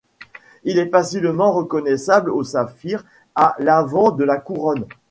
Elle est facilement reconnaissable au saphir à l'avant de la couronne.